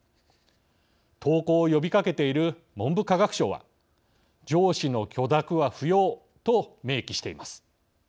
投稿を呼びかけている文部科学省は上司の許諾は不要と明記しています。